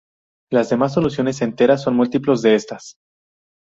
Las demás soluciones enteras son múltiplos de estas.